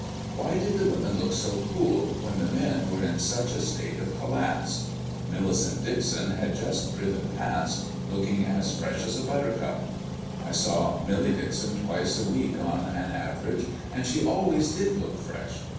Why did the women look so cool when the men were in such a state of collapse? Millicent Dixon had just driven past, looking as fresh as a buttercup. I saw Millie Dixon twice a week on an average, and she always did look fresh.